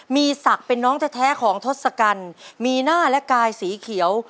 มีศักดิ์เป็นน้องแท้ของทศกัณฐ์มีหน้าและกายสีเขียว